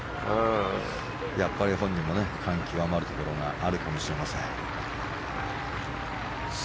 やっぱり、本人も感極まるところがあるかもしれません。